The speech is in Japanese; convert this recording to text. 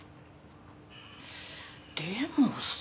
でもさ。